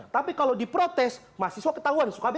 tapi kalau diprotes mahasiswa ketahuan suka bo